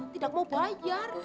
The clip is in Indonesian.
tidak mau bayar